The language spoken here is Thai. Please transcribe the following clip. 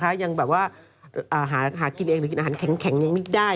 อยู่นะคะยังแบบว่าอาหารหากินเองหรือกินอาหารแข็งยังไม่ได้